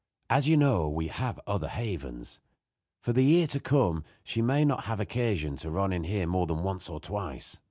As you know, we have other havens. For the year to come she may not have occasion to run in here more than once or twice.